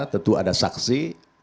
tentu ada saksi